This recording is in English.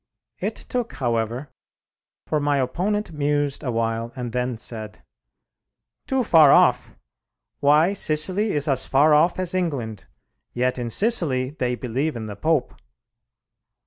It took, however; for my opponent mused a while, and then said, "Too far off! Why, Sicily is as far off as England. Yet in Sicily they believe in the Pope."